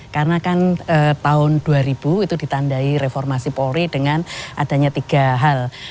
karena kan tahun dua ribu itu ditandai reformasi polri dengan adanya tiga hal